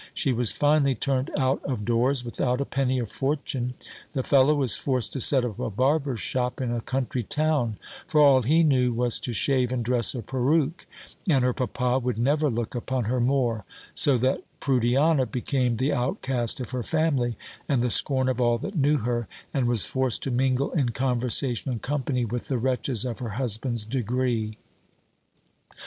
She was finally turned out of doors, without a penny of fortune: the fellow was forced to set up a barber's shop in a country town; for all he knew was to shave and dress a peruke: and her papa would never look upon her more: so that Prudiana became the outcast of her family, and the scorn of all that knew her; and was forced to mingle in conversation and company with the wretches of her husband's degree!"